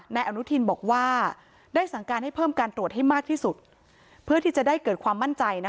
นายอนุทินบอกว่าได้สั่งการให้เพิ่มการตรวจให้มากที่สุดเพื่อที่จะได้เกิดความมั่นใจนะคะ